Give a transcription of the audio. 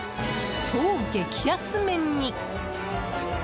超激安麺に。